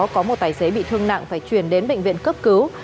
có một tài xế bị thương nặng phải chuyển đến bệnh viện cấp cứu